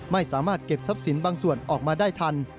ไม่สามารถเก็บทรัพย์สินบางส่วนออกมาได้ทัน